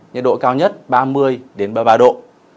nhiệt độ cao nhất ba mươi ba mươi ba độ